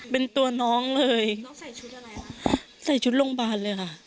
เป็นตัวน้องเลยน้องใส่ชุดอะไรคะใส่ชุดโรงพยาบาลเลยค่ะ